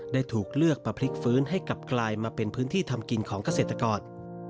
ได้ถูกเลือกมาพลิกฟื้นให้กลับกลายมาเป็นพื้นที่ทำกินของเกษตรกร